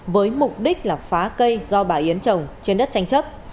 với mục đích là phá cây do bà yến trồng trên đất tranh chấp